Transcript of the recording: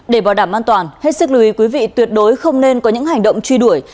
để bảo đảm an toàn hết sức lưu ý quý vị tuyệt đối không nên có những hành động truy đuổi